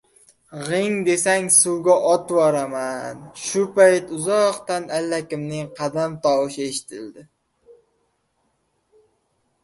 — G’ing desang, suvga otvoraman. Shu payt uzoqdan allakimning qadam tovushi eshitildi.